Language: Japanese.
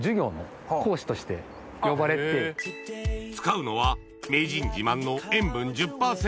使うのは名人自慢の塩分１０％